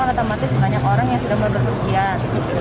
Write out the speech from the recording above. otomatis banyak orang yang sudah mau berpergian